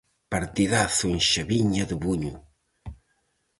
Partidazo en Xaviña de Buño.